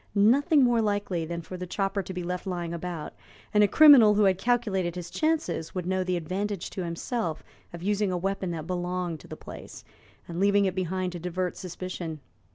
Nothing more likely than for the chopper to be left lying about, and a criminal who had calculated his chances would know the advantage to himself of using a weapon that belonged to the place, and leaving it behind to divert suspicion.